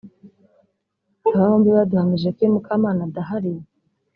Aba bombi baduhamirije ko iyo Mukamana adahari